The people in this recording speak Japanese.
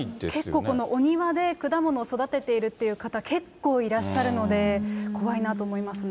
結構、お庭で果物を育てているっていう方、結構いらっしゃるので、怖いなと思いますね。